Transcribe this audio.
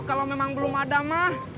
kalau memang belum ada mah